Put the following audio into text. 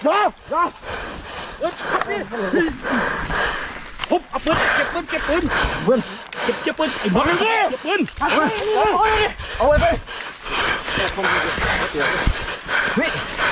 เจ็บไอ้บ้านดี๊ยเจ็บปืนเอาไว้